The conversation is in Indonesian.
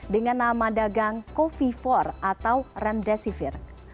dengan nama dagang covivor atau remdesivir